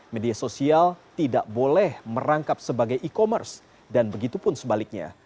media sosial tidak boleh merangkap sebagai e commerce dan begitu pun sebaliknya